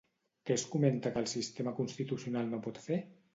Què es comenta que el sistema constitucional no pot fer?